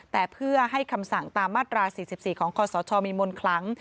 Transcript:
แต่เพื่อให้คำสั่งตามมาตรา๔๔ของคศมีมนต์คลัง